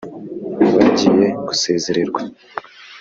bagiye gusezererwa